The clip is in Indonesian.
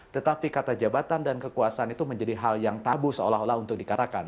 tetapi kata jabatan dan kekuasaan itu menjadi hal yang tabu seolah olah untuk dikatakan